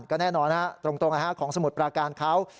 ก็แน่นอนตรงของสมุทรปราการเขา